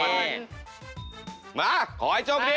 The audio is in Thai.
เสาคำยันอาวุธิ